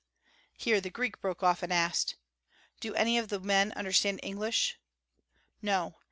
Here the Greek broke off and asked: "Do any of these men understand English?" "No.